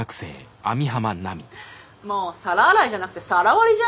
もう皿洗いじゃなくて皿割りじゃん！